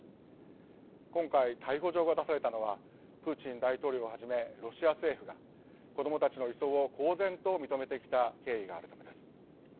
今回逮捕状が出されたのはプーチン大統領をはじめロシア政府が子どもたちの移送を公然と認めてきた経緯があるためです。